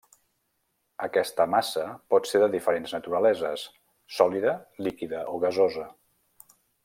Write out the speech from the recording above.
Aquesta massa pot ser de diferents naturaleses: sòlida, líquida o gasosa.